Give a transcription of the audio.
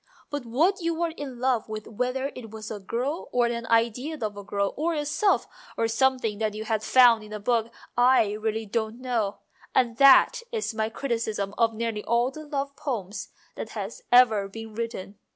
But what you were in love with whether it was a girl or an idea of a girl, or yourself, or some thing that you had found in a book I really don't know ; and that is my criticism of nearly all the love poems that have ever been written.